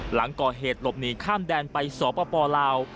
หลังก่อเหตุหลบหนีข้ามแดนไปสปลาว